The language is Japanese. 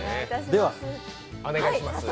ではお願いします。